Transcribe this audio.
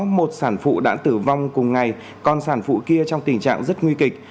một sản phụ đã tử vong cùng ngày còn sản phụ kia trong tình trạng rất nguy kịch